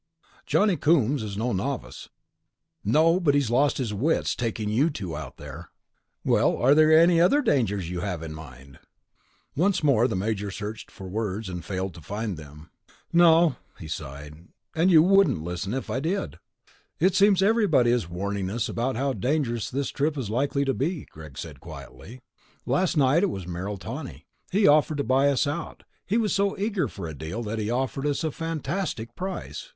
"Johnny Coombs is no novice." "No, but he's lost his wits, taking you two out there." "Well, are there any other dangers you have in mind?" Once more the Major searched for words, and failed to find them. "No," he sighed, "and you wouldn't listen if I did." "It seems everybody is warning us about how dangerous this trip is likely to be," Greg said quietly. "Last night it was Merrill Tawney. He offered to buy us out, he was so eager for a deal that he offered us a fantastic price.